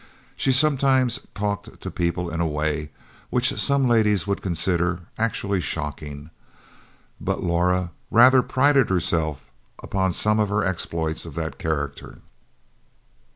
She sometimes talked to people in a way which some ladies would consider, actually shocking; but Laura rather prided herself upon some of her exploits of that character.